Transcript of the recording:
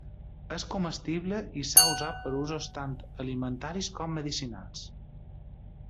És comestible, i s'ha usat per a usos tant alimentaris com medicinals.